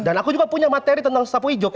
dan aku juga punya materi tentang sapu ijuk